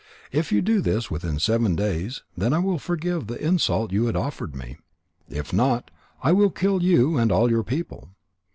If you do this within seven days, then I will forgive the insult you have offered me. If not, I will kill you and all your people."